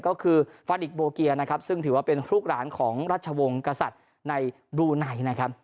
ก็คือฟาดิกโบเกียนะครับซึ่งถือว่าเป็นลูกหลานของราชวงศ์กษัตริย์ในบรูไนนะครับ